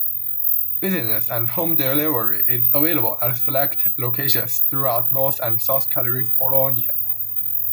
Business and home delivery is available at select locations throughout North and South Carolina.